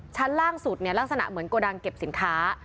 ชั้นล่างสุดเนี่ยลักษณะเหมือนโกดังเก็บสินค้า